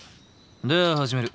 では始める。